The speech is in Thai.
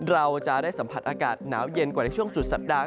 เราจะได้สัมผัสอากาศหนาวเย็นกว่าในช่วงสุดสัปดาห